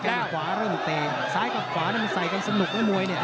ขวาเริ่มเตะซ้ายกับขวามันใส่กันสนุกนะมวยเนี่ย